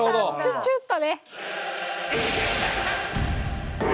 チュチュッとね。